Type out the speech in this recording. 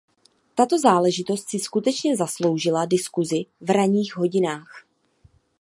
Tato záležitost si skutečně zasloužila diskusi v ranních hodinách.